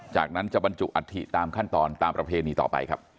จากนั้นจะบรรจุอัฐิตามขั้นตอนตามประเพณีต่อไปครับ